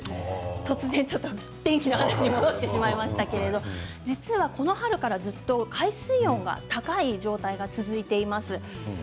突然、天気の話に戻してしまいましたけれども実は、この春からずっと海水温が高い状態が続いています。